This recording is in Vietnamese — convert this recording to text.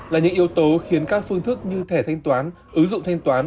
là những yếu tố khiến các phương thức như thẻ thanh toán ứng dụng thanh toán